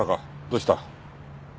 どうした？